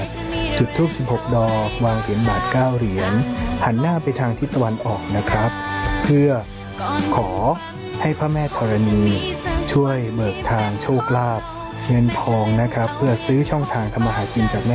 ทำมาหาทีกับพ่อแม่ธรณีนะครับลองกันดูครับ